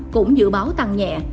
cũng dự báo tăng nhẹ